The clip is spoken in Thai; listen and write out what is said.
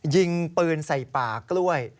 ยิงปืนใส่ป่ากล้วย